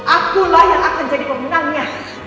akulah yang akan jadi pemenangnya